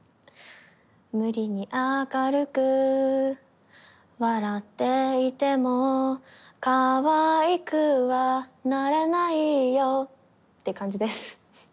ムリに明るく笑っていても可愛くはなれないよって感じです。